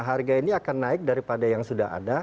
harga ini akan naik daripada yang sudah ada